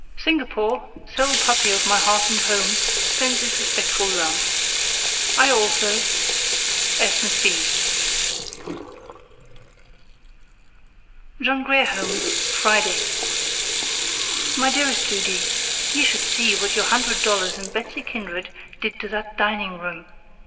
Singapore, sole puppy of my heart and home, sends his respectful love. I also, S. McB. THE JOHN GRIER HOME, Friday. My dearest Judy: You should see what your hundred dollars and Betsy Kindred did to that dining room!